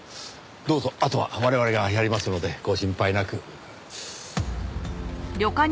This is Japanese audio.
どうぞあとは我々がやりますのでご心配なく。